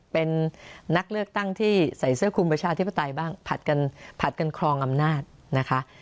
เป็นนักเลือกตั้งที่ใส่เสื้อคุมประชาธิปไตยบ้างผัดกันผัดกันครองอำนาจนะคะ